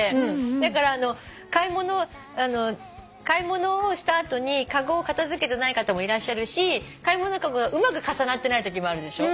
だから買い物をした後に籠を片付けてない方もいるし買い物籠がうまく重なってないときもあるでしょ。